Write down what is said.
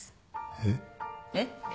えっ？えっ？